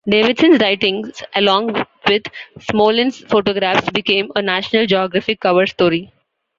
Davidson's writings along with Smolan's photographs became a National Geographic cover story.